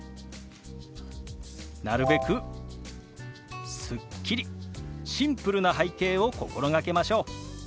なるべくスッキリシンプルな背景を心がけましょう。